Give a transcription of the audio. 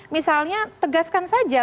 misalnya tegaskan saja